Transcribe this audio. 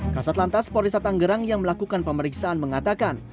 kasat lantas polisa tanggerang yang melakukan pemeriksaan mengatakan